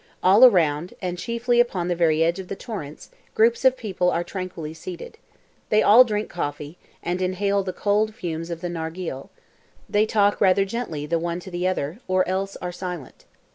All around, and chiefly upon the very edge of the torrents, groups of people are tranquilly seated. They all drink coffee, and inhale the cold fumes of the narghile; they talk rather gently the one to the other, or else are silent.